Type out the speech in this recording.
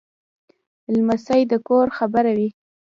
لمسی د کور خبره وي.